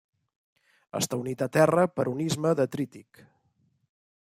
Està unit a terra per un istme detrític.